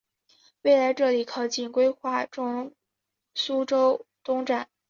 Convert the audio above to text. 未来这里靠近规划中的苏州东站。